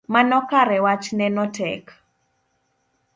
Mano kare wachneno tek